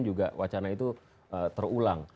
juga wacana itu terulang